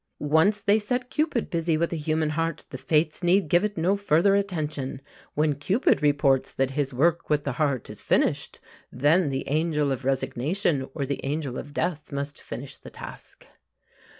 Once they set Cupid busy with a human heart, the Fates need give it no further attention. When Cupid reports that his work with the heart is finished, then the Angel of Resignation or the Angel of Death must finish the task.